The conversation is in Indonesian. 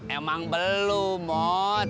emang belum mot